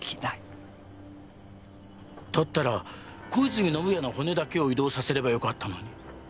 だったら小泉宣也の骨だけを移動させればよかったのに。